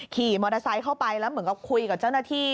ขี่มอเตอร์ไซค์เข้าไปแล้วเหมือนกับคุยกับเจ้าหน้าที่